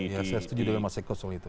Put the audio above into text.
ya saya setuju dengan mas eko soal itu